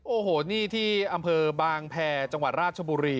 โอ้โหนี่ที่อำเภอบางแพรจังหวัดราชบุรี